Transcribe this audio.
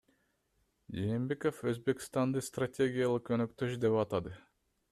Жээнбеков Өзбекстанды стратегиялык өнөктөш деп атады